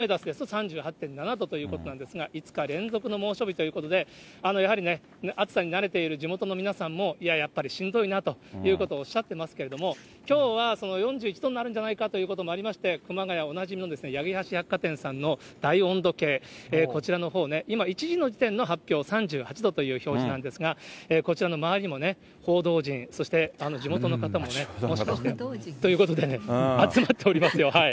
１時５０分の時点で、アメダスですと、３８．７度ということなんですが、５日連続の猛暑日ということで、やはりね、暑さに慣れている地元の皆さんも、いや、やっぱりしんどいなということをおっしゃってますけれども、きょうは４１度になるんじゃないかということもありまして、熊谷おなじみの八木橋百貨店さんの大温度計、こちらのほう、今、１時の時点の発表、３８度という表示なんですが、こちらの周りにもね、報道陣、地元の方も、もしかしてということで、集まっておりますよ。